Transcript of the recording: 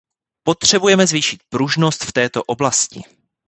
Potřebujeme zvýšit pružnost v této oblasti.